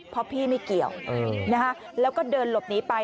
เพราะพี่ไม่เกี่ยวแล้วก็เดินหลบหนีไป